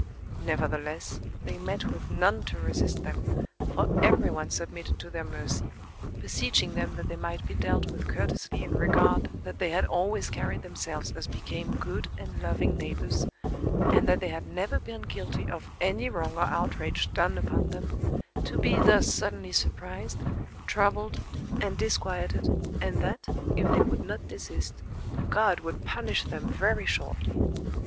Nevertheless, they met with none to resist them, for everyone submitted to their mercy, beseeching them that they might be dealt with courteously in regard that they had always carried themselves as became good and loving neighbours, and that they had never been guilty of any wrong or outrage done upon them, to be thus suddenly surprised, troubled, and disquieted, and that, if they would not desist, God would punish them very shortly.